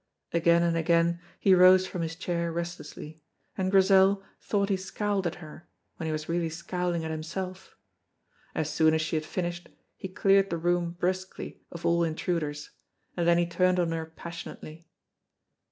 Again and again he rose from his chair restlessly, and Grizel thought he scowled at her when he was really scowling at himself; as soon as she had finished he cleared the room brusquely of all intruders, and then he turned on her passionately.